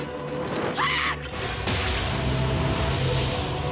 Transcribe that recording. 早く！！